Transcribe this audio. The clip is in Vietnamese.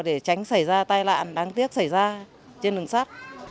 để tránh xảy ra tai nạn đáng tiếc xảy ra trên đường sắt